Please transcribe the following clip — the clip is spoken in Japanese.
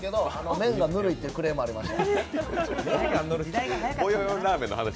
麺がぬるいというクレームがありました。